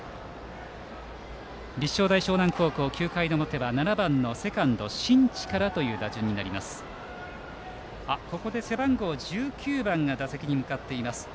立正大淞南高校、９回の表は７番セカンド、新地からの打順ですがここで背番号１９番が打席に向かいました。